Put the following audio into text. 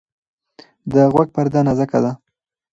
د غوږ پرده نازکه ده.